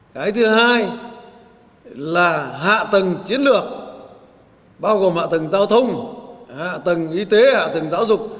cái thứ hai là hạ tầng chiến lược bao gồm hạ tầng giao thông hạ tầng y tế hạ tầng giáo dục